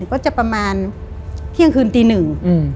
ก็จะประมาณเที่ยงคืนตีหนึ่ง